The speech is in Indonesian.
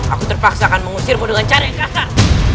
aku terpaksa akan mengusirmu dengan cara yang kasar